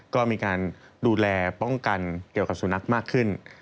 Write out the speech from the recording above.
ก็มีการดูแลป้องกันเกี่ยวกับสุนัขมากขึ้น